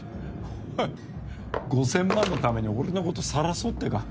おい５０００万のために俺のことさらそうってか。